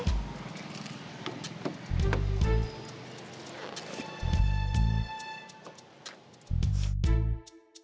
gak bisa tapi kayak nyobain deh